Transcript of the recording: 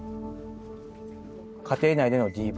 家庭内でのＤＶ